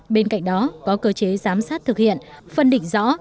bên cạnh đó có cơ chế giám sát thực hiện phân định rõ